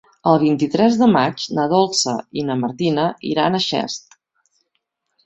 El vint-i-tres de maig na Dolça i na Martina iran a Xest.